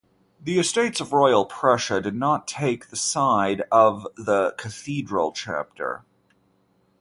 The Estates of Royal Prussia did not take the side of the Cathedral Chapter.